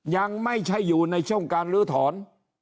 ยังไม่ใช่อยู่ในช่วงการลื้อถอน